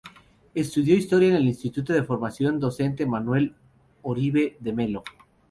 Estudió Historia en el Instituto de Formación Docente Manuel Oribe de Melo.